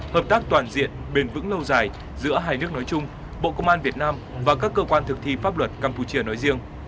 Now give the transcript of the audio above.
hợp tác toàn diện bền vững lâu dài giữa hai nước nói chung bộ công an việt nam và các cơ quan thực thi pháp luật campuchia nói riêng